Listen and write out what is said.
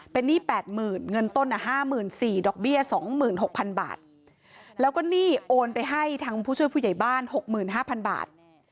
เป็นหนี้แปดหมื่นเงินต้นอ่ะห้ามื่นสี่ดอกเบี้ยสองหมื่นหกพันบาทแล้วก็หนี้โอนไปให้ทางผู้ช่วยผู้ใหญ่บ้านหกหมื่นห้าพันบาท